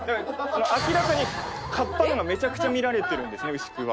明らかに河童の方がめちゃくちゃ見られてるんですね牛久は。